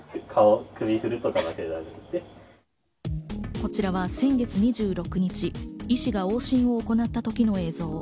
こちらは先月２６日、医師が往診を行った時の映像。